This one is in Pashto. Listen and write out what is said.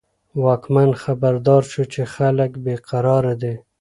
واکمن خبردار شو چې خلک بې قرار دي.